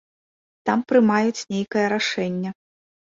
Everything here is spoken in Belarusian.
Там прымаюць нейкае рашэнне.